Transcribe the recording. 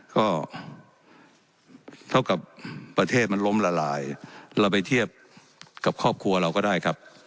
ก็เท่ากับประเทศมันล้มละลายเราไปเทียบกับครอบครัวเราก็ได้ครับ